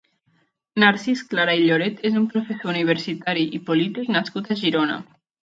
Narcís Clara i Lloret és un professor universitari i polític nascut a Girona.